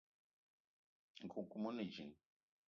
Nkoukouma one djinn.